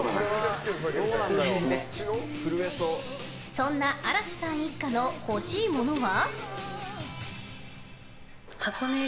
そんな荒瀬さん一家の欲しいものは？